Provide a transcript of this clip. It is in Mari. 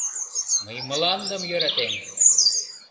Мый мландым йӧратем!